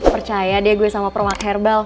percaya deh gue sama permak herbal